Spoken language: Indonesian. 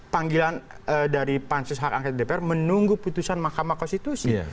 panggilan dari pansus hak angket dpr menunggu putusan mahkamah konstitusi